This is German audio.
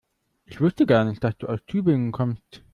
Ich wusste gar nicht, dass du aus Tübingen kommst